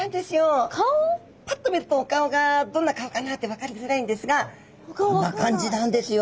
パッと見るとお顔がどんな顔かなって分かりづらいんですがこんな感じなんですよ。